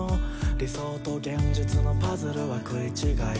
「理想と現実のパズルは食い違い」